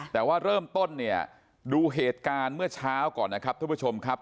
แต่ว่าเริ่มต้นเนี่ยดูเหตุการณ์เมื่อเช้าก่อนนะครับทุกผู้ชมครับ